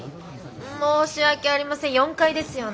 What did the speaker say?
申し訳ありません４階ですよね。